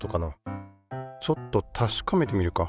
ちょっと確かめてみるか。